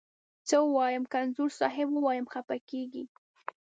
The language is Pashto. څه ووایم، که انځور صاحب ووایم خپه کږې.